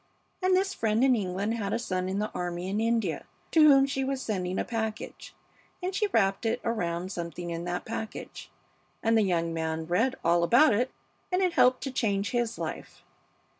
And this friend in England had a son in the army in India, to whom she was sending a package, and she wrapped it around something in that package, and the young man read all about it, and it helped to change his life.